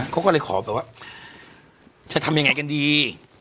เขาก็เลยขอแบบว่าจะทำยังไงกันดี